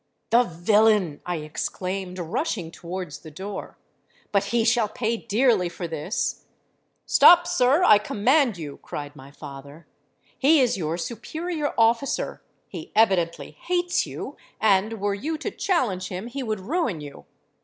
'—'The villain!' I exclaimed, rushing towards the door: 'but he shall pay dearly for this!'—'Stop, sir, I command you,' cried my father. 'He is your superior officer; he evidently hates you; and, were you to challenge him, he would ruin you.